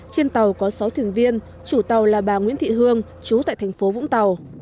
trên tàu có sáu thuyền viên chủ tàu là bà nguyễn thị hương chú tại thành phố vũng tàu